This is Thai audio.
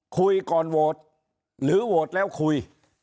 คุยก่อนโวทธ์หรือโวทธ์แล้วคุย